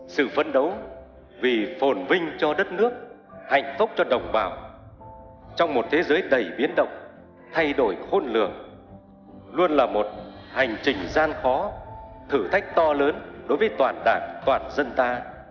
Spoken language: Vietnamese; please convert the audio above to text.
sự phấn đấu vì phồn vinh cho đất nước hạnh phúc cho đồng bào trong một thế giới đầy biến động thay đổi khôn lường luôn là một hành trình gian khó thử thách to lớn đối với toàn đảng toàn dân ta